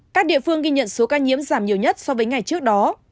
các địa phương ghi nhận số ca nhiễm giảm nhiều nhất so với ngày trước đó